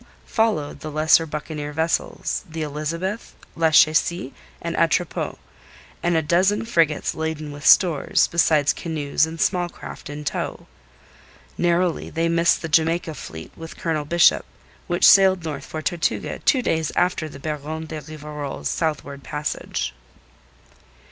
Followed the lesser buccaneer vessels, the Elizabeth, Lachesis, and Atropos, and a dozen frigates laden with stores, besides canoes and small craft in tow. Narrowly they missed the Jamaica fleet with Colonel Bishop, which sailed north for Tortuga two days after the Baron de Rivarol's southward passage.